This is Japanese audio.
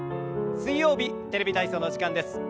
水曜日「テレビ体操」の時間です。